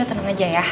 tenang aja ya